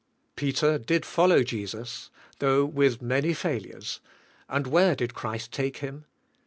Peter did follow Jesus, though with many failures, and where did Christ take him?